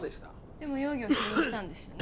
でも容疑を否認したんですよね